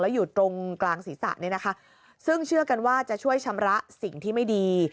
อยู่ตรงกลางศีรษะเนี่ยนะคะซึ่งเชื่อกันว่าจะช่วยชำระสิ่งที่ไม่ดี